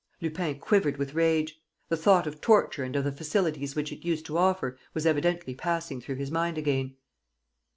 Lupin quivered with rage. The thought of torture and of the facilities which it used to offer was evidently passing through his mind again.